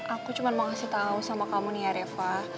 aku cuma mau ngasih tahu sama kamu nih ya reva